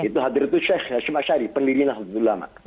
itu hadratu sheikh hashim ash'arilah peneliti nalutulama